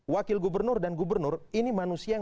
wakil gubernur dan gubernur ini manusia